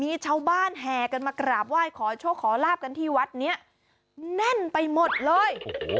มีชาวบ้านแห่กันมากราบไหว้ขอโชคขอลาบกันที่วัดนี้แน่นไปหมดเลย